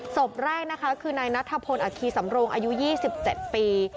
ศพแรกนะคะคือนายนัทพลอคีสำโรงอายุ๒๗ปี